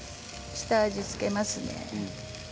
下味を付けます。